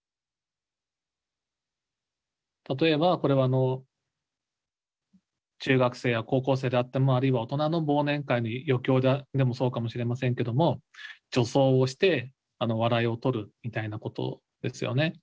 例えばこれは中学生や高校生であってもあるいは大人の忘年会の余興でもそうかもしれませんけども女装をして笑いをとるみたいなことですよね。